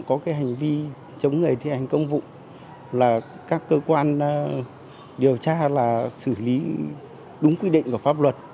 có hành vi chống người thi hành công vụ các cơ quan điều tra xử lý đúng quy định của pháp luật